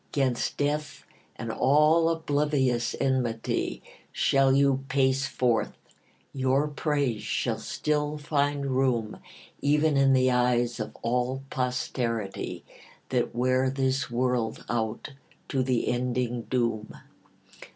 'Gainst death and all oblivious enmity Shall you pace forth; your praise shall still find room Even in the eyes of all posterity That wear this world out to the ending doom.